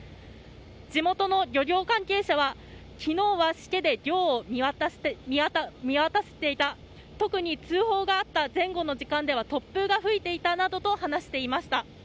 地元の漁業関係者は昨日はしけで漁を見渡していた、特に通報があった前後の時間では突風が吹いていたなどと話していました。